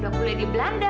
udah pulih di belanda